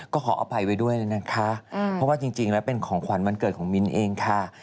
ก็ขออภัยไว้ด้วยนะคะเพราะว่าจริงแล้วเป็นของขวัญวันเกิดของมิ้นเองค่ะ